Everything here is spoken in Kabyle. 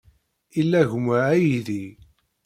Ila gma aydi.